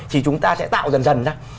thì chúng ta sẽ tạo dần dần ra